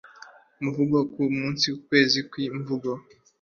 umuvugo-ku munsi, ukwezi kw'imivugo